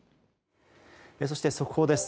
そして速報です。